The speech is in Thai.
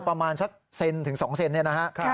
ประมาณสักเซนถึง๒เซนเนี่ยนะฮะ